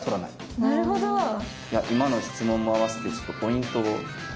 今の質問も合わせてちょっとポイントをおお！